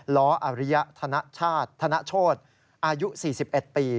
ล้ออริยธนชาติธนโชธอายุ๔๑ปี